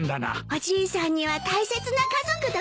おじいさんには大切な家族だものね。